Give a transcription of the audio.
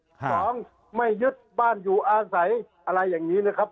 สองไม่ยึดบ้านอยู่อาศัยอะไรอย่างนี้นะครับ